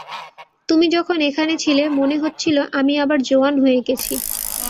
তুমি যখন এখানে ছিলে মনে হচ্ছিল আমি আবার জোয়ান হয়ে গেছি।